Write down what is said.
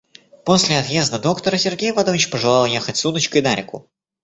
После отъезда доктора Сергей Иванович пожелал ехать с удочкой на реку.